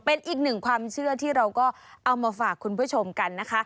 เป็นอีกหนึ่งความเชื่อที่เราก็เอามาฝากคุณผู้ชมกันนะคะ